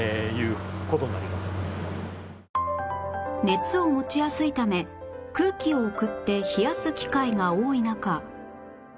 熱を持ちやすいため空気を送って冷やす機械が多い中